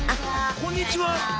こんにちは。